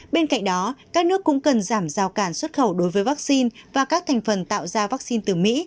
bên cạnh đó các nước cũng cần giảm giao cản xuất khẩu đối với vaccine và các thành phần tạo ra vaccine từ mỹ